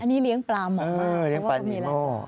อันนี้เลี้ยงปลามากเลี้ยงปลานิโม่